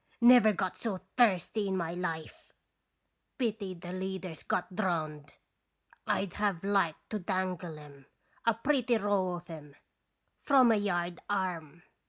Never got so thirsty in my life ! Pity the leaders got drownded, I'd have liked to dangle 'em, a pretty row of 'em, from a yard arm